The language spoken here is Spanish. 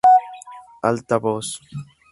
Alta Voz.